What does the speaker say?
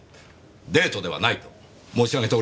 デートではないと申し上げております。